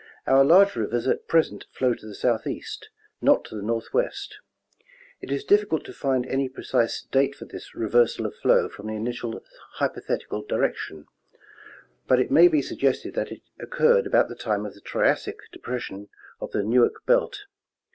— Our large rivers at present flow to the southeast, not to the northwest. It is difficult to find any precise date for this reversal of flow from the initial hypothetical direction, but it may be suggested that it occurred about the time of the Triassic depression of the Newark belt.